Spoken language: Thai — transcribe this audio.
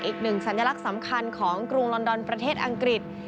อีกหนึ่งสัญลักษณ์สำคัญของกรุงลอนดอนประเทศอังกฤษ